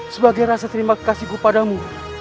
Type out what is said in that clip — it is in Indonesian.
sebagai rasa terima kasih kepada mu